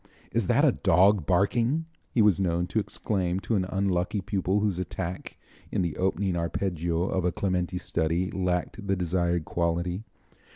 "Is that a dog barking?" he was known to exclaim to an unlucky pupil whose attack in the opening arpeggio of a Clementi study lacked the desired quality.